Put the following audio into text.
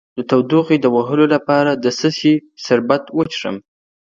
د تودوخې د وهلو لپاره د څه شي شربت وڅښم؟